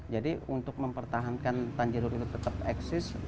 jadi untuk mempertahankan tanjidor itu tetap eksis